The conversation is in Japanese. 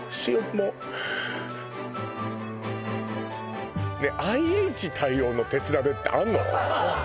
もうねえＩＨ対応の鉄鍋ってあんの？